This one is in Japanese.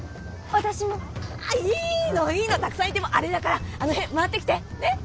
私もいいのいいのたくさんいてもあれだからあの辺回ってきてねっ？